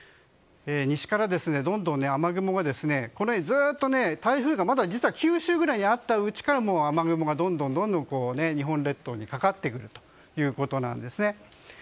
西からどんどん雨雲がずっと台風が、まだ実は九州ぐらいにあったうちから雨雲がどんどん日本列島にかかってくるということです。